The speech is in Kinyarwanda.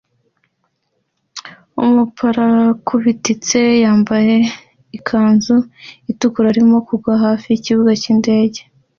Umuparakutiste wambaye ikanzu itukura arimo kugwa hafi yikibuga cyindege